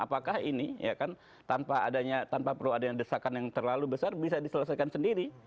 apakah ini tanpa peruadan yang desakan yang terlalu besar bisa diselesaikan sendiri